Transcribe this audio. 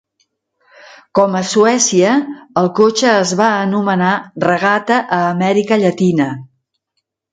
Com a Suècia, el cotxe es va anomenar Regata a Amèrica Llatina.